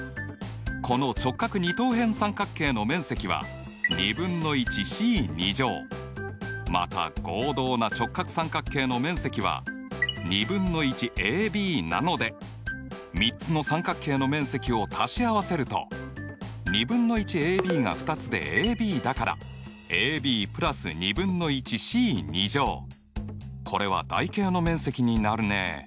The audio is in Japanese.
この直角二等辺三角形の面積はまた合同な直角三角形の面積は３つの三角形の面積を足し合わせると２分の１ａｂが２つでａｂだからこれは台形の面積になるね。